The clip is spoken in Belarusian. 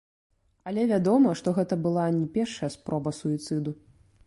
Але вядома, што гэта была не першая спроба суіцыду.